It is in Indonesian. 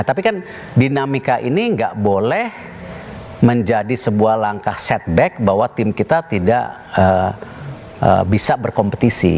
tapi kan dinamika ini nggak boleh menjadi sebuah langkah setback bahwa tim kita tidak bisa berkompetisi